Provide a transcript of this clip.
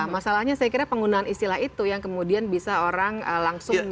masalahnya saya kira penggunaan istilah itu yang kemudian bisa orang langsung